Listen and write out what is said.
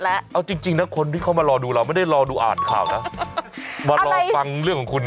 เราก็อยากให้คุณผู้ชมสรุปสนานทันทายกันยำบายแบบนี้